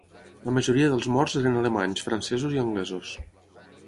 La majoria dels morts eren alemanys, francesos i anglesos.